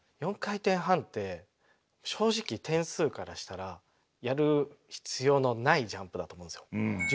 ４回転半って正直点数からしたらやる必要のないジャンプだと思うんですよ。